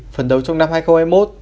phần đầu trong năm hai nghìn hai mươi một